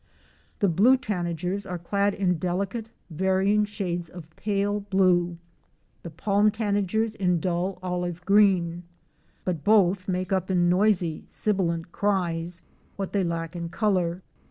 The Blue Tanagers are clad in delicate, varying shades of pale blue; the Palm Tanagers in dull olive green, but both make up in noisy sibilant cries what they lack in color.